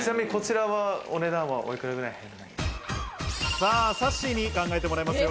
さっしーに考えてもらいますよ。